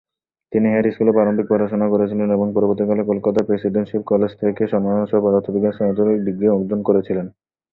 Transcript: তিনি হেয়ার স্কুলে প্রারম্ভিক পড়াশোনা করেছিলেন এবং পরবর্তীকালে কলকাতার প্রেসিডেন্সি কলেজ থেকে সম্মান সহ পদার্থবিদ্যায় স্নাতক ডিগ্রি অর্জন করেছিলেন।